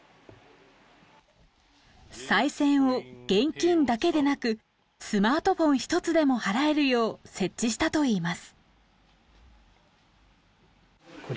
賽銭を現金だけでなくスマートフォンひとつでも払えるよう設置したといいます。